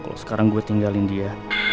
kalau sekarang gue tinggalin dia